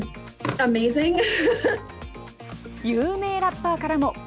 有名ラッパーからも。